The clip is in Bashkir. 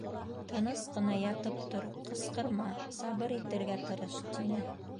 Тыныс ҡына ятып тор, ҡысҡырма, сабыр итергә тырыш, — тине.